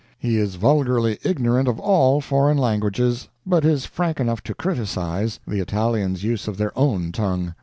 He is vulgarly ignorant of all foreign languages, but is frank enough to criticize, the Italians' use of their own tongue.